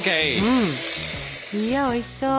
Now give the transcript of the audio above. うん。いやおいしそう。